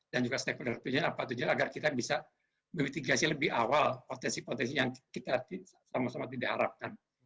dan juga setiap kemudian apa tujuan agar kita bisa memitigasi lebih awal potensi potensi yang kita sama sama tidak harapkan